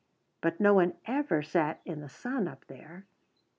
But no one ever sat in the sun up there.